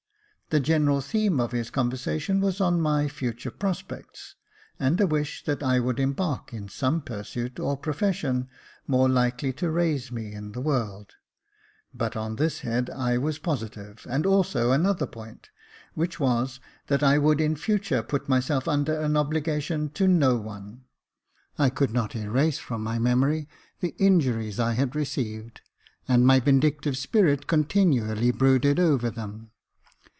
The general theme of his conversation was on my future prospects, and a wish that I would embark in some pursuit or profession more likely to raise me in the world ; but on this head I was positive, and also another point, which was, that I would in future put myself under an obligation to no one. I could not erase from my memory the injuries I had received, and my vindictive spirit continually brooded over them.